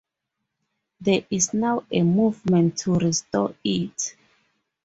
There is now a movement to restore it.